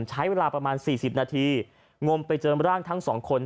ใช้เวลาประมาณ๔๐นาทีงมไปเจอร่างทั้งสองคน